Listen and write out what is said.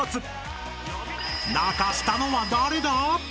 ［泣かしたのは誰だ？］